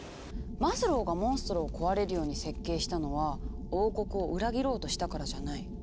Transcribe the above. マズローがモンストロを壊れるように設計したのは王国を裏切ろうとしたからじゃない。